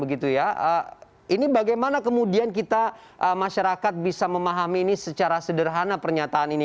ini bagaimana kemudian kita masyarakat bisa memahami ini secara sederhana pernyataan ini